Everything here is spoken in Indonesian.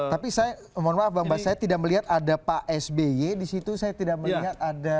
tapi saya mohon maaf bang bas saya tidak melihat ada pak sby disitu saya tidak melihat ada